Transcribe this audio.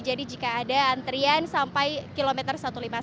jadi jika ada antrean sampai kilometer satu ratus lima puluh satu